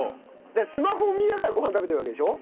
スマホを見ながらご飯食べてるわけでしょ。